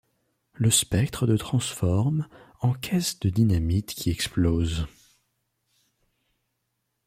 Le spectre de transforme en caisse de dynamite qui explose.